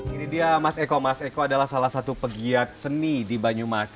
ini dia mas eko mas eko adalah salah satu pegiat seni di banyumas